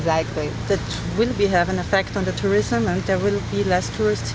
itu akan memiliki efek pada turisme dan akan lebih kurang turis di sini